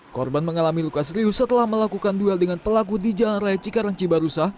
korban mengalami luka serius setelah melakukan duel dengan pelaku di jalan raya cikarang cibarusah